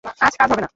আজ কাজ হবে না।